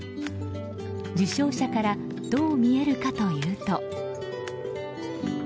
受賞者からどう見えるかというと。